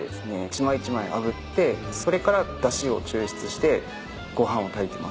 一枚一枚あぶってそれからだしを抽出してご飯を炊いてます。